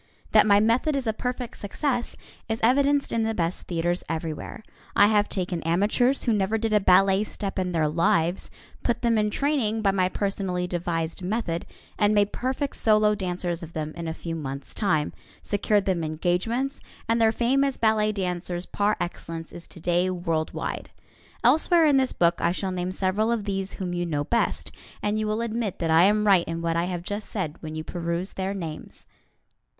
That my method is a perfect success is evidenced in the best theatres everywhere. I have taken amateurs who never did a ballet step in their lives, put them in training by my personally devised method, and made perfect solo dancers of them in a few months' time, secured them engagements, and their fame as ballet dancers par excellence is today world wide. Elsewhere in this book I shall name several of these whom you know best, and you will admit that I am right in what I have just said when you peruse their names.